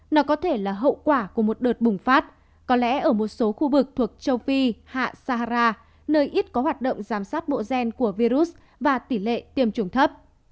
nó có thể là hậu quả của một đợt bùng phát có lẽ ở một số khu vực thuộc châu phi hạ sahara nơi ít có hoạt động giám sát bộ gen của virus và tỷ lệ tiêm chủng thấp